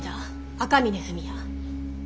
赤峰文也。